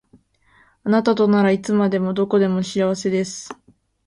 あなたとならいつでもどこでも幸せです